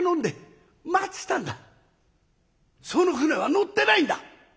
その舟は乗ってないんだ！」。